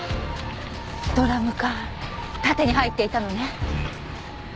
ドラム缶縦に入っていたのね。